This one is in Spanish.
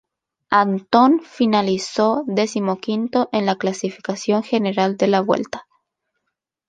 Antón finalizó decimoquinto en la clasificación general de la Vuelta.